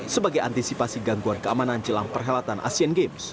sebagai antisipasi gangguan keamanan jelang perhelatan asian games